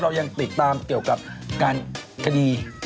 เรายังติดตามเกี่ยวกับการคดี